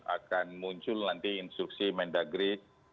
akan muncul nanti instruksi mendagri